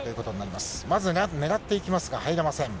まず狙っていきますが、入れません。